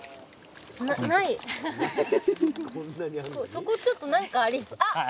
そこちょっと何かありそう。